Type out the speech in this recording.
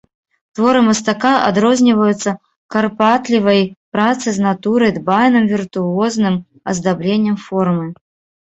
Творы мастака адрозніваюцца карпатлівай працай з натурай, дбайным, віртуозным аздабленнем формы.